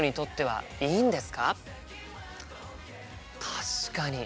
確かに。